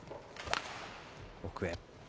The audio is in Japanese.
奥へ。